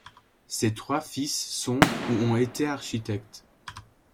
Ses trois fils sont ou ont été architectes.